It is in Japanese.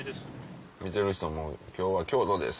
見てる人も今日は京都です